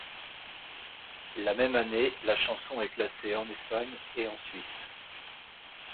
La même année, la chanson est classée en Espagne et en Suisse.